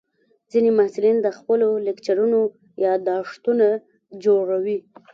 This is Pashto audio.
ځینې محصلین د خپلو لیکچرونو یادښتونه جوړوي.